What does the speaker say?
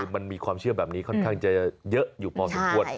มันมีความเชื่อแบบนี้ค่อนข้างจะเยอะอยู่พอสมควร